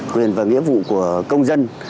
quyền và nghĩa vụ của công dân